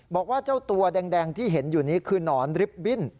บอกว่าเจ้าตัวแดงที่เห็นอยู่นี้คือหนอนริบบิ้น